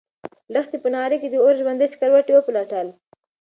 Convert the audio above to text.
لښتې په نغري کې د اور ژوندي سکروټي وپلټل.